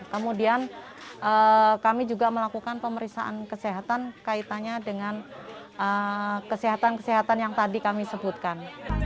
kemudian kami juga melakukan pemeriksaan kesehatan kaitannya dengan kesehatan kesehatan yang tadi kami sebutkan